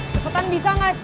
cepetan bisa ga sih